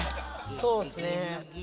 そうっすね。